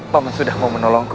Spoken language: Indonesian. pak man sudah mau menolongku